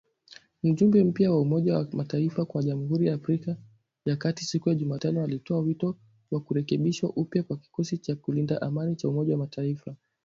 Mjumbe mpya wa Umoja wa mataifa kwa Jamhuri ya Afrika ya kati siku ya Jumatano alitoa wito wa kurekebishwa upya kwa kikosi cha kulinda amani cha Umoja wa Mataifa.